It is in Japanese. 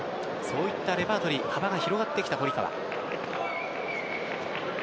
そういったレパートリー幅が広がってきた堀川。